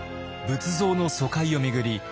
仏像の疎開を巡り